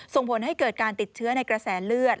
ส่งผลให้เกิดการติดเชื้อในกระแสเลือด